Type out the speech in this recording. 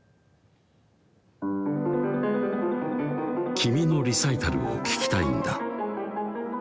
「君のリサイタルを聴きたいんだ」